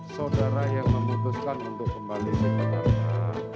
saudara yang memutuskan untuk kembali sekatannya